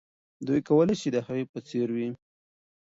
دوی کولای سي چې د هغې په څېر وي.